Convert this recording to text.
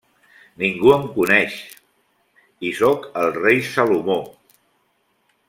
-Ningú em coneix… i sóc el rei Salomó!